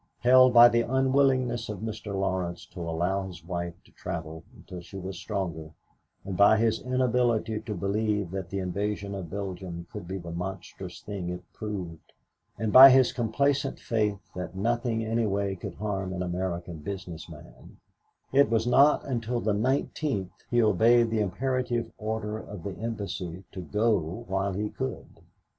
Held by the unwillingness of Mr. Laurence to allow his wife to travel until she was stronger and by his inability to believe that the invasion of Belgium could be the monstrous thing it proved and by his complacent faith that nothing anyway could harm an American business man, it was not until the 19th he obeyed the imperative order of the embassy to go while he could.